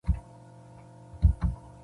ماشوم د کورنۍ له ملاتړ پرته نارامه کېږي.